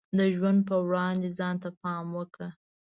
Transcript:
د ژوند په وړاندې ځان ته پام وکړه.